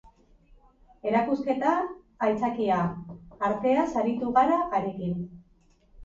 Erakusketa aitzakia, arteaz aritu gara harekin.